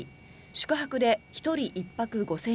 宿泊で１人１泊５０００円